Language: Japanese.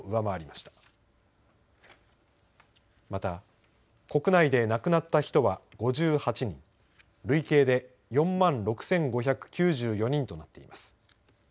また、国内で亡くなった人は５８人累計で４万６５９４人となっています。